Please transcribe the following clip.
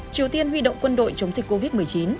triều tiên huy động quân đội chống dịch covid một mươi chín